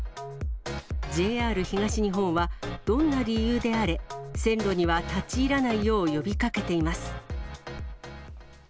ＪＲ東日本は、どんな理由であれ、線路には立ち入らないよう呼びかけています。